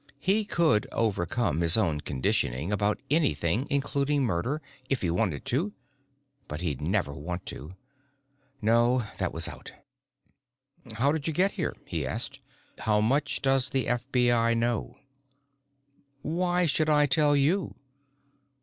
He could overcome his own conditioning about anything, including murder, if he wanted to, but he'd never want to. No, that was out. "How did you get here?" he asked. "How much does the FBI know?" "Why should I tell you?"